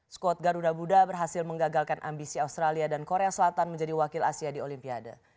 skuad garuda budha berhasil menggagalkan ambisi australia dan korea selatan menjadi wakil asia di olimpiade